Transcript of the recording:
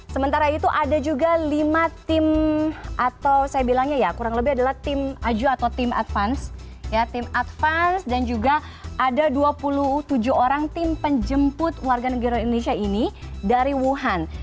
sementara itu ada juga lima tim atau saya bilangnya ya kurang lebih adalah tim aju atau tim advance tim advance dan juga ada dua puluh tujuh orang tim penjemput warga negara indonesia ini dari wuhan